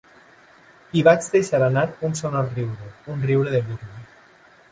I vaig deixar anar un sonor riure, un riure de burla.